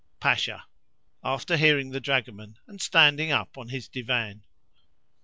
Pasha (after hearing the dragoman, and standing up on his divan).